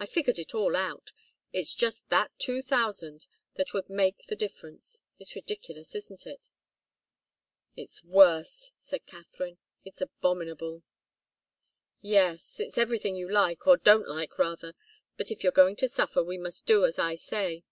I've figured it all out it's just that two thousand that would make the difference it's ridiculous, isn't it?" "It's worse," said Katharine. "It's abominable." "Yes it's everything you like or don't like, rather. But if you're going to suffer, we must do as I say.